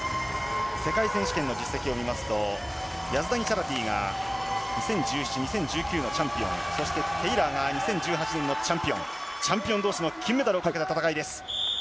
世界選手権の実績を見ますと、ヤズダニチャラティが２０１７、２０１９のチャンピオン、そしてテイラーが２０１８年のチャンピオン、チャンピオンどうしの金メダルをかけた戦いです。